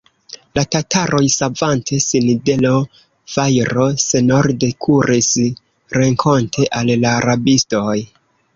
La tataroj, savante sin de l' fajro, senorde kuris renkonte al la rabistoj.